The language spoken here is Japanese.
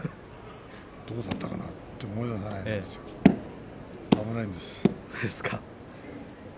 どうだったかなと思うんだけれど危ないんです。